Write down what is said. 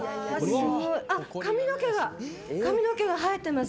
すごい！髪の毛が生えてます。